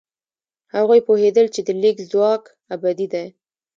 هغوی پوهېدل چې د لیک ځواک ابدي دی.